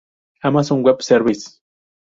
Amazon Web Services